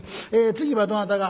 次はどなたが？」。